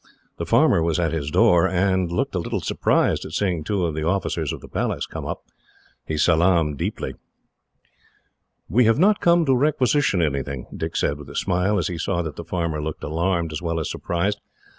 The farmer was at his door, and looked a little surprised at seeing two of the officers of the Palace come up. He salaamed deeply. "We have not come to requisition anything," Dick said, with a smile, as he saw that the farmer looked alarmed as well as surprised.